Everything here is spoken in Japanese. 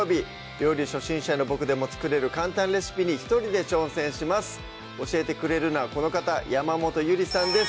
料理初心者のボクでも作れる簡単レシピに一人で挑戦します教えてくれるのはこの方山本ゆりさんです